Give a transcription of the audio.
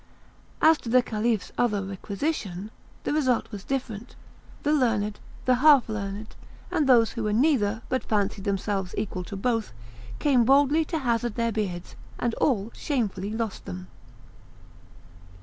As to the Caliph's other requisition, the result was different. The learned, the half learned, and those who were neither, but fancied themselves equal to both, came boldly to hazard their beards, and all shamefully lost them.